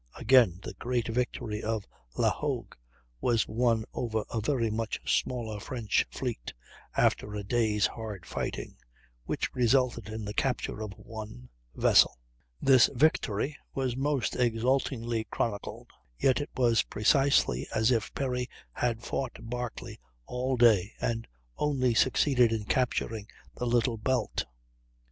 Again, the great victory of La Hogue was won over a very much smaller French fleet, after a day's hard fighting, which resulted in the capture of one vessel! This victory was most exultingly chronicled, yet it was precisely as if Perry had fought Barclay all day and only succeeded in capturing the Little Belt.